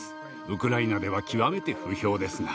ウクライナでは極めて不評ですが。